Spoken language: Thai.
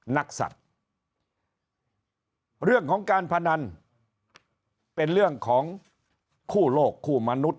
นักสัตว์เรื่องของการพนันเป็นเรื่องของคู่โลกคู่มนุษย